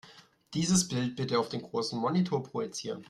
Dieses Bild bitte auf den großen Monitor projizieren.